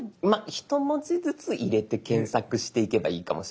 一文字ずつ入れて検索していけばいいかもしれないです。